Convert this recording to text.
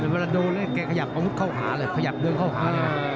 เวลาโดนแล้วแกขยับอาวุธเข้าหาเลยขยับเดินเข้าหาเลยนะ